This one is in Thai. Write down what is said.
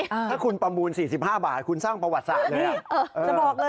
ถ้าคุณประมูล๔๕บาทคุณสร้างประวัติศาสตร์เลย